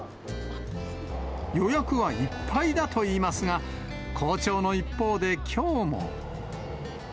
予約はいっぱいだといいますが、好調の一方で、きょうも。